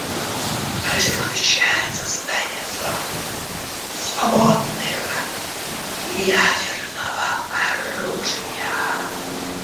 Оно также включает создание зон, свободных от ядерного оружия.